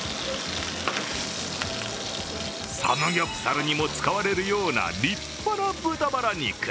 サムギョプサルにも使われるような立派な豚バラ肉。